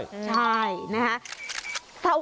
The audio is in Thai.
ใช่นะฮะ